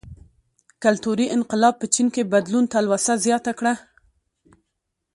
کلتوري انقلاب په چین کې بدلون ته تلوسه زیاته کړه.